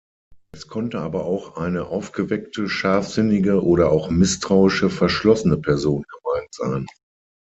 Es konnte aber auch eine aufgeweckte, scharfsinnige oder auch misstrauische, verschlossene Person gemeint sein.